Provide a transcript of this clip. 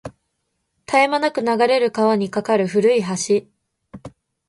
絶え間なく流れる川に架かる古い橋